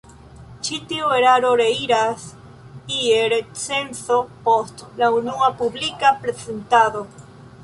Ĉi tiu eraro reiras je recenzo post la unua publika prezentado.